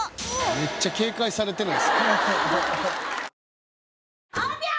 「めっちゃ警戒されてる」